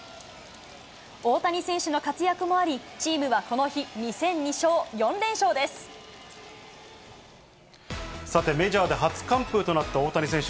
大谷選手の活躍もあり、チームはこの日、さて、メジャーで初完封となった大谷選手。